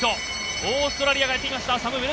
オーストラリアがやってきました。